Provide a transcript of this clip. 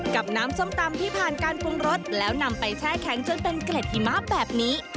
กับน้ำส้มตำที่ผ่านการปรุงรสแล้วนำไปแช่แข็งจนเป็นเกล็ดหิมะแบบนี้